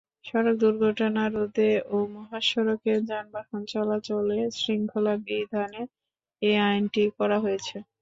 সড়ক দুর্ঘটনারোধে ও মহাসড়কে যানবাহন চলাচলে শৃঙ্খলা বিধানে এ আইনটি করা হয়েছে।